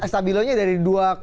stabilonya dari dua